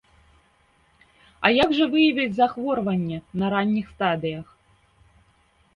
А як жа выявіць захворванне на ранніх стадыях?